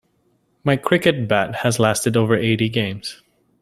My cricket bat has lasted over eighty games.